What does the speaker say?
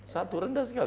satu rendah sekali